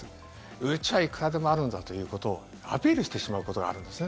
うちはいくらでもあるんだということをアピールしてしまうことがあるんですね。